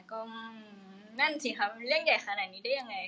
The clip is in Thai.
ก็นั่นสิครับเรื่องใหญ่ขนาดนี้ได้ยังไง